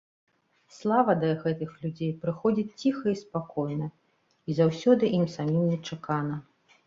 Слава да гэтых людзей прыходзіць ціха і спакойна, і заўсёды ім самім нечакана.